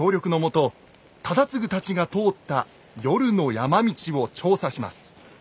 忠次たちが通った夜の山道を調査します